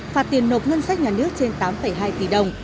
phạt tiền nộp ngân sách nhà nước trên tám hai tỷ đồng